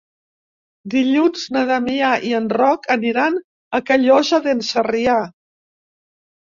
Dilluns na Damià i en Roc aniran a Callosa d'en Sarrià.